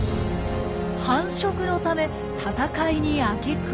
繁殖のため戦いに明け暮れる。